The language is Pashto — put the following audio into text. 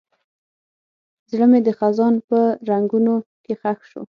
زړه مې د خزان په رنګونو کې ښخ شو.